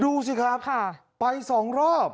ดูสิครับไป๒รอบ